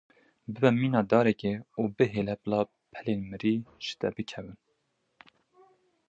Bibe mîna darekê û bihêle bila pelên mirî ji te bikevin.